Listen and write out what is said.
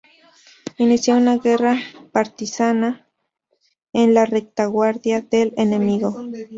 Inicie una guerra partisana en la retaguardia del enemigo".